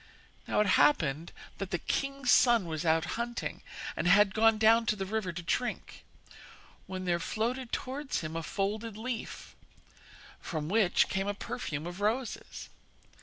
Now it happened that the king's son was out hunting, and had gone down to the river to drink, when there floated towards him a folded leaf, from which came a perfume of roses.